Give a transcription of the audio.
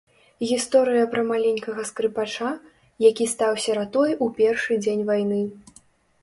Гісторыя пра маленькага скрыпача, які стаў сіратой у першы дзень вайны.